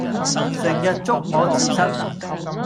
成日捉我字蝨